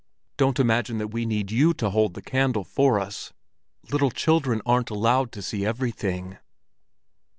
"Don't imagine that we need you to hold the candle for us! Little children aren't allowed to see everything."